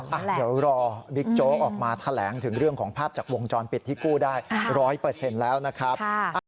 เดี๋ยวรอบิ๊กโจ๊กออกมาแถลงถึงเรื่องของภาพจากวงจรปิดที่กู้ได้๑๐๐แล้วนะครับ